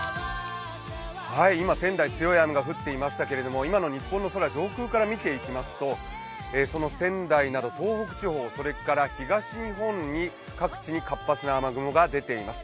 今、仙台、強い雨が降っていましたけれども、今の日本の空、上空から見ていきますとその仙台など東北地方、東日本各地に活発な雨雲が出ています。